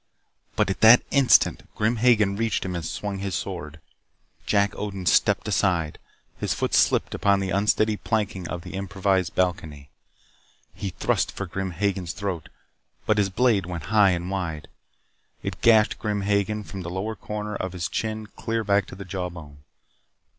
But at that instant Grim Hagen reached him and swung his sword. Jack Odin stepped aside. His foot slipped upon the unsteady planking of the improvised balcony. He thrust for Grim Hagen's throat, but his blade went high and wide. It gashed Grim Hagen from the lower corner of his chin clear back to the jawbone.